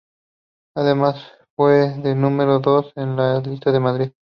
Además fue de número dos en las listas por Madrid.